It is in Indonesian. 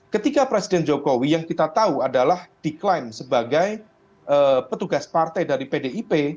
ketika presiden jokowi yang kita tahu adalah diklaim sebagai petugas partai dari pdip